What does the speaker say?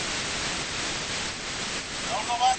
که زوی موزيم ته نه وای تللی.